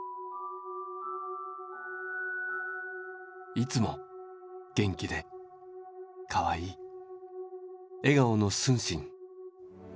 「いつも元気でかわいい笑顔の承信。